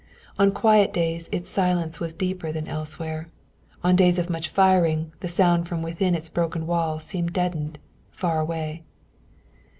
On quiet days its silence was deeper than elsewhere. On days of much firing the sound from within its broken walls seemed deadened, far away.